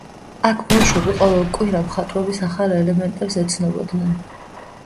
აქ ბავშვები, ყოველ კვირა, მხატვრობის ახალ ელემენტებს ეცნობოდნენ.